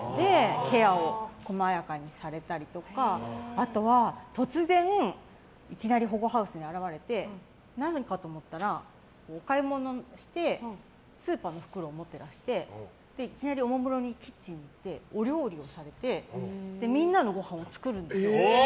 ケアを細やかにされたりとかあとは、突然いきなり保護ハウスに現れて何かと思ったら、買い物してスーパーの袋を持っていらしていきなりおもむろにキッチンに行ってお料理をされてみんなのごはんを作るんですよ。